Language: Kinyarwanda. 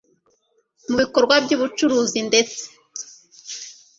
mu bikorwa by ubucuruzi ndetse